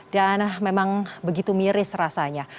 dan memang begitu miris rasanya